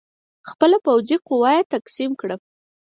خپله پوځي قوه یې تقسیم کړه.